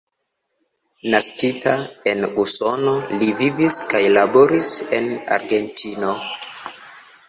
Naskita en Usono, li vivis kaj laboris en Argentino.